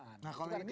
nah kalau ini